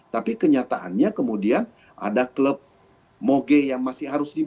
tapi kenyataannya kemudian ada klub moge yang masih harus di